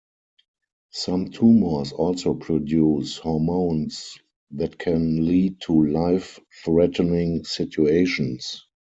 Some tumors also produce hormones that can lead to life-threatening situations.